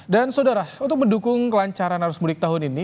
dan saudara untuk mendukung kelancaran harus mulik tahun ini